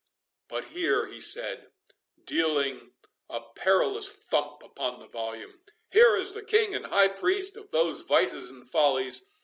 '—But here," he said, dealing a perilous thump upon the volume—"Here is the King and high priest of those vices and follies!